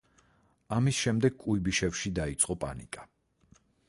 ამის შემდეგ კუიბიშევში დაიწყო პანიკა.